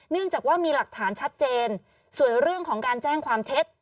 จากว่ามีหลักฐานชัดเจนส่วนเรื่องของการแจ้งความเท็จ